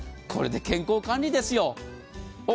これで健康管理ですよ。